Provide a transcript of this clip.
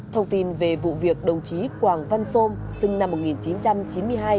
thông tin về vụ việc đồng chí quảng văn sôm sinh năm một nghìn chín trăm chín mươi hai